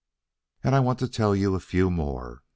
"And I want to tell you a few more.